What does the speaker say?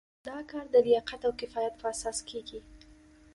دا کار د لیاقت او کفایت په اساس کیږي.